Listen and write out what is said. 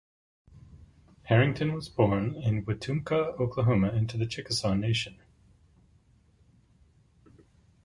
Herrington was born in Wetumka, Oklahoma into the Chickasaw Nation.